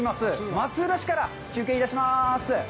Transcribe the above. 松浦市から中継いたします。